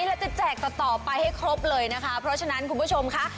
เราจะแจกต่อต่อไปให้ครบเลยนะคะเพราะฉะนั้นคุณผู้ชมค่ะ